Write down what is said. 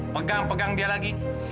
pegang pegang dia lagi